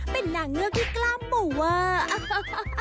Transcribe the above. เป็นนางเมือกที่กล้ามบุตร